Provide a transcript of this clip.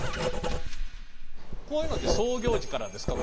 こういうのって創業時からですか？